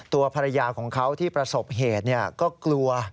ตัวภรรยาของเขาที่ประสบเหตุก็กลัว